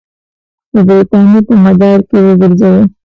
د برټانیې په مدار کې وګرځوي.